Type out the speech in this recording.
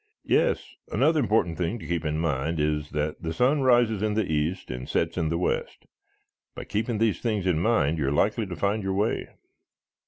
"Yes. Another important thing to keep in mind is that the sun rises in the east and sets in the west. By keeping these things in mind you are likely to find your way."